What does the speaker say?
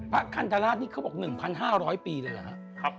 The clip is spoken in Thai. พระคันธรรมนี้เค้าบอก๑๕๐๐ปีเลยเหรอครับ